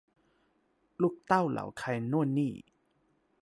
ลูกเต้าเหล่าใครโน่นนี่